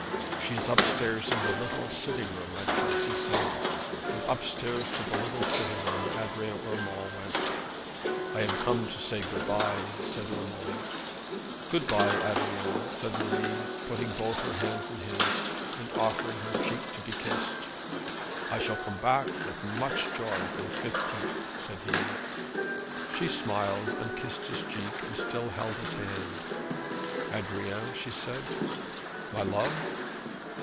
'She is up stairs in the little sitting room,' Aunt Josey said; and up stairs to the little sitting room Adrian Urmand went. 'I am come to say good bye,' said Urmand. 'Good bye, Adrian,' said Marie, putting both her hands in his, and offering her cheek to be kissed. 'I shall come back with such joy for the 15th,' said he. She smiled, and kissed his cheek, and still held his hand. 'Adrian,' she said. 'My love?'